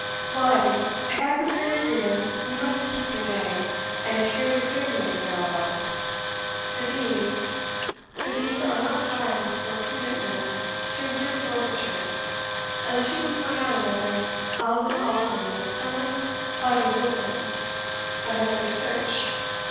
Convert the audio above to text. "Well, Edie, if I procure your freedom, you must keep your day, and appear to clear me of the bail bond, for these are not times for prudent men to incur forfeitures, unless you can point out another Aulam auri plenam quadrilibrem another Search, No.